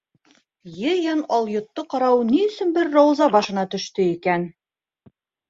Йыйын алйотто ҡарау ни өсөн бер Рауза башына төштө икән?